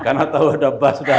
karena tahu ada bassnya